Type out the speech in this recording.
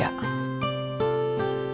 buatin aku sini sini